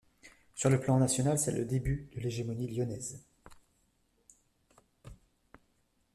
Sur le plan national, c'est le début de l'hégémonie Lyonnaise.